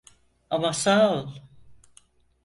Ama sağ ol.